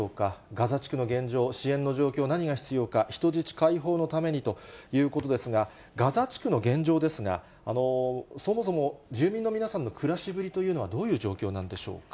ガザ地区の現状、支援の状況、何が必要か、人質解放のためにということですが、ガザ地区の現状ですが、そもそも住民の皆さんの暮らしぶりというのは、どういう状況なんでしょうか。